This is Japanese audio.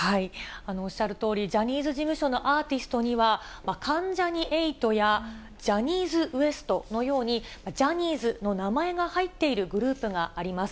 おっしゃるとおり、ジャニーズ事務所のアーティストには、関ジャニ∞や、ジャニーズＷＥＳＴのように、ジャニーズの名前が入っているグループがあります。